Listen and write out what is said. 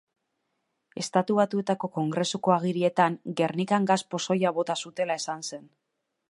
Estatu Batuetako Kongresuko Agirietan, Gernikan gas-pozoia bota zutela esan zen.